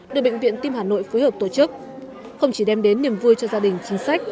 được bệnh viện tim hà nội phối hợp tổ chức không chỉ đem đến niềm vui cho gia đình chính sách